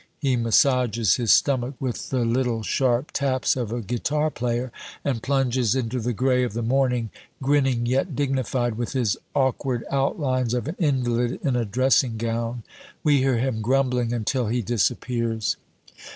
He massages his stomach with the little sharp taps of a guitar player, and plunges into the gray of the morning, grinning yet dignified, with his awkward outlines of an invalid in a dressing gown. We hear him grumbling until he disappears.